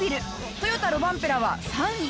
トヨタロバンペラは３位